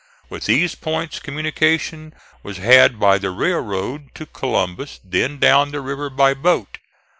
With these points communication was had by the railroad to Columbus, then down the river by boat.